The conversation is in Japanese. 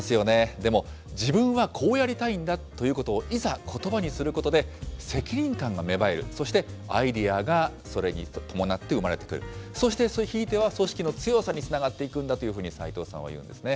でも、自分はこうやりたいんだということを、いざ、ことばにすることで、責任感が芽生える、そしてアイデアがそれに伴って生まれてくる、そしてひいては組織の強さにつながっていくんだというふうに齋藤さんは言うんですね。